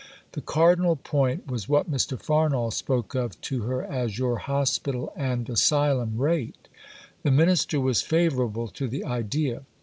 The cardinal point was what Mr. Farnall spoke of to her as "your Hospital and Asylum Rate." The Minister was favourable to the idea.